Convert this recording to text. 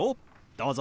どうぞ。